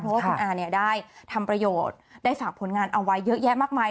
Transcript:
เพราะว่าคุณอาเนี่ยได้ทำประโยชน์ได้ฝากผลงานเอาไว้เยอะแยะมากมาย